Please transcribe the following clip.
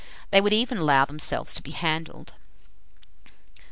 They would even allow themselves to be handled."